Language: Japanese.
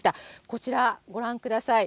こちら、ご覧ください。